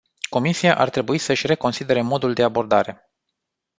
Comisia ar trebui să-și reconsidere modul de abordare.